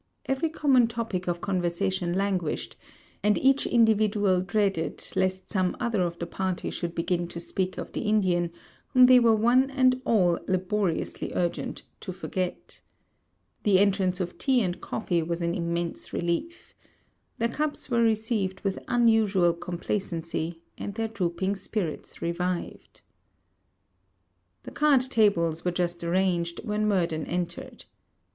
Every common topic of conversation languished; and each individual dreaded lest some other of the party should begin to speak of the Indian, whom they were one and all laboriously urgent to forget. The entrance of tea and coffee was an immense relief. Their cups were received with unusual complacency, and their drooping spirits revived. The card tables were just arranged, when Murden entered.